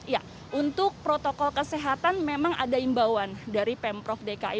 ya untuk protokol kesehatan memang ada imbauan dari pemprov dki